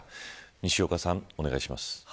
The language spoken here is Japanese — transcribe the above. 西岡さん、お願いします。